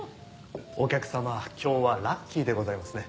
お客様今日はラッキーでございますね。